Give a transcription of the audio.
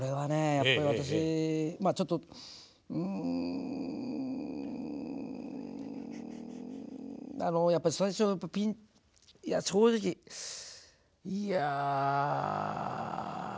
やっぱり私まあちょっとうんあのやっぱり最初はピンいや正直いやぁ。